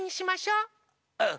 うん。